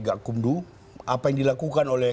gak kumdu apa yang dilakukan oleh